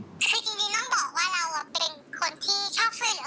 ช่วยเหยือกลิมไปรับความเดือดร้อนอะไรอย่างนี้